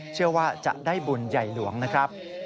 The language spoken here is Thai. เชื่อว่าจะได้บุญใหญ่หลวงนะครับ